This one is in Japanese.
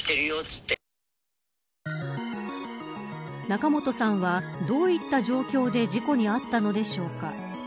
仲本さんはどういった状況で事故に遭ったのでしょうか。